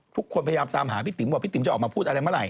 พยายามตามหาพี่ติ๋มว่าพี่ติ๋มจะออกมาพูดอะไรเมื่อไห